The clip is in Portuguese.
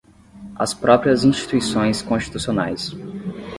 as próprias instituições constitucionais